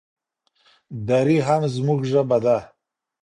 دري هم زموږ ژبه ده.